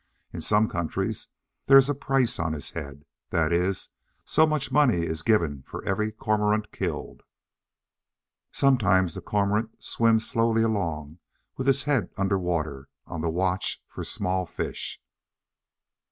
In some countries there is a price on his head that is, so much money is given for every Cormorant killed. Sometimes the Cormorant swims slowly along with his head under water, on the watch for small fish.